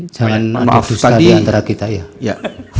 jangan ada dusta diantara kita ya